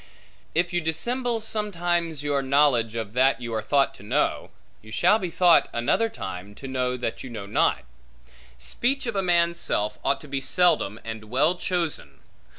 If you dissemble, sometimes, your knowledge of that you are thought to know, you shall be thought, another time, to know that you know not. Speech of a man's self ought to be seldom, and well chosen.